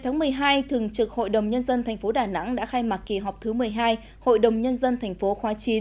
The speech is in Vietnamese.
ngày một mươi hai thường trực hội đồng nhân dân tp đà nẵng đã khai mạc kỳ họp thứ một mươi hai hội đồng nhân dân tp khóa chín